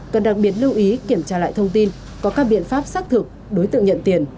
cần đặc biệt lưu ý kiểm tra lại thông tin có các biện pháp xác thực đối tượng nhận tiền